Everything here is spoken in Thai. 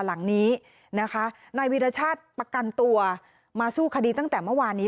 หลังนี้นะคะนายวีรชาติประกันตัวมาสู้คดีตั้งแต่เมื่อวานนี้